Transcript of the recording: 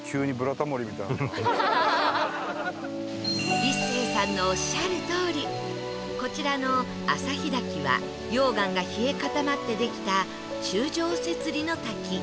一生さんのおっしゃるとおりこちらの旭滝は溶岩が冷え固まってできた柱状節理の滝